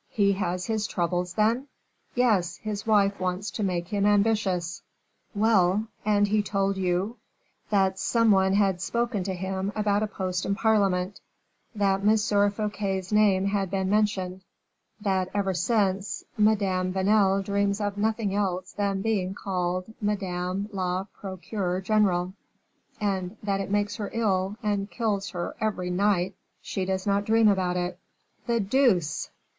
"He has his troubles, then?" "Yes; his wife wants to make him ambitious." "Well, and he told you " "That some one had spoken to him about a post in parliament; that M. Fouquet's name had been mentioned; that ever since, Madame Vanel dreams of nothing else than being called madame la procureur generale, and that it makes her ill and kills her every night she does not dream about it." "The deuce!"